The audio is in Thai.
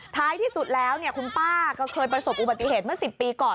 ท้ายที่สุดแล้วคุณป้าก็เคยประสบอุบัติเหตุเมื่อ๑๐ปีก่อน